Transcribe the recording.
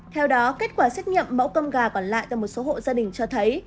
theo đó kết quả xét nghiệm mẫu cơm gà còn lại từ một số hộ gia đình cho thấy